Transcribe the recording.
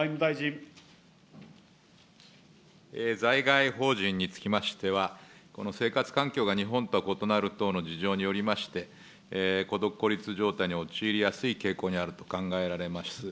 在外邦人につきましては、この生活環境が日本とは異なる等の事情によりまして、孤独・孤立状態に陥りやすい傾向にあると考えられます。